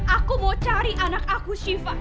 aku mau cari anak aku syifa